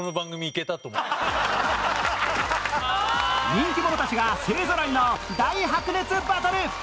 人気者たちが勢ぞろいの大白熱バトル！